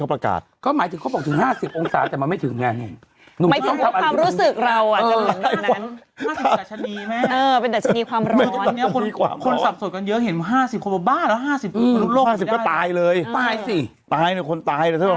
อากาศร้อนแต่ไม่ร้อนเหมือนที่เขาประกาศ